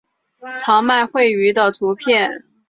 长麦穗鱼的图片